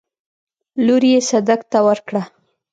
لور يې صدک ته ورکړه.